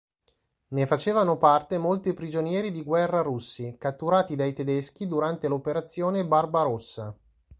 Ne facevano parte molti prigionieri di guerra russi catturati dai tedeschi durante l'operazione "Barbarossa".